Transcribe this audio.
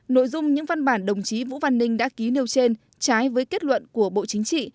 nội dung những văn bản đồng chí vũ văn ninh đã ký nêu trên trái với kết luận của bộ chính trị